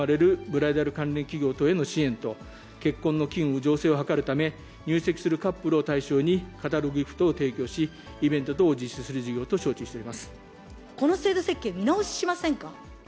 ブライダル関連企業等への支援と、結婚の機運醸成を図るため、入籍するカップルを対象に、カタログギフトを提供し、イベント等を実施する事業と承知しておこの制度設計、見直ししませんか。